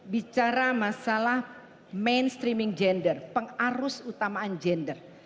bicara masalah mainstreaming gender pengarus utamaan gender